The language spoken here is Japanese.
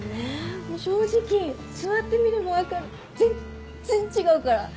もう正直座ってみれば分かる全っ然違うから！